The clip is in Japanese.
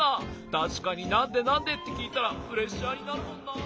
たしかに「なんで？なんで？」ってきいたらプレッシャーになるもんなあ。